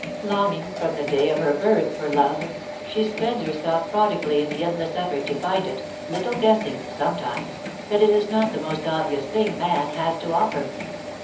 Longing, from the day of her birth for Love, she spends herself prodigally in the endless effort to find it, little guessing, sometimes, that it is not the most obvious thing Man has to offer.